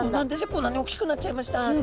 こんなに「おっきくなっちゃいました」って。